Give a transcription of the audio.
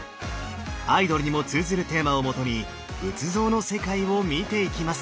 アイドルにも通ずるテーマを基に仏像の世界を見ていきます！